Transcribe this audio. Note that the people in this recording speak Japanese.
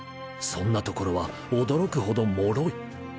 そんな所は驚くほどもろい